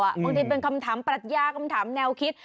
บางทีเป็นคำถามปรัชญาคำถามแนวคิด